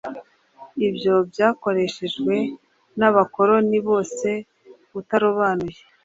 Ibyo byakoreshejwe n'abakoloni bose utarobanuye.